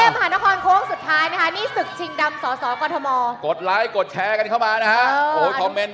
ผมขอต่อทางกล่าวกลายก่อนนะ